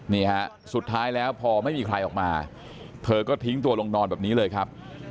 นี่ฮะสุดท้ายแล้วพอไม่มีใครออกมาเธอก็ทิ้งตัวลงนอนแบบนี้เลยครับ